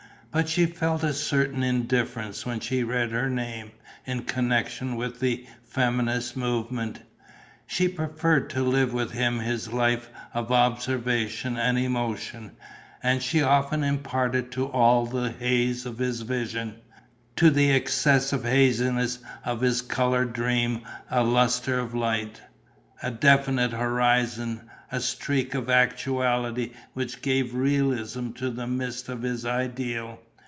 But she felt a certain indifference when she read her name in connection with the feminist movement. She preferred to live with him his life of observation and emotion; and she often imparted to all the haze of his vision, to the excessive haziness of his colour dream a lustre of light, a definite horizon, a streak of actuality which gave realism to the mist of his ideal.